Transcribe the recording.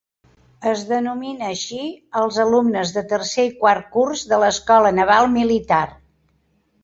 Es denomina així als alumnes de tercer i quart curs de l'Escola Naval Militar.